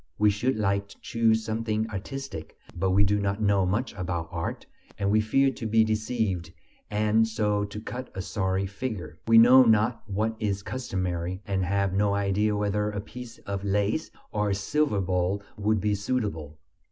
We should like to choose something artistic, but we do not know much about art, and we fear to be deceived and so to cut a sorry figure; we know not what is customary and have no idea whether a piece of lace or a silver bowl would be suitable.